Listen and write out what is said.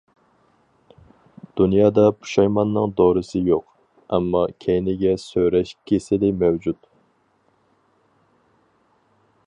دۇنيادا پۇشايماننىڭ دورىسى يوق، ئەمما كەينىگە سۆرەش كېسىلى مەۋجۇت.